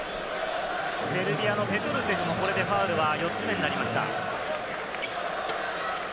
セルビアのペトルセフ、これでファウルは４つ目になりました。